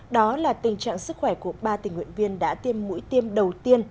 đó là tình trạng sức khỏe của ba tình nguyện viên đã tiêm mũi tiêm đầu tiên